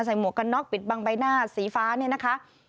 หมวกกันน็อกปิดบังใบหน้าสีฟ้าเนี่ยนะคะ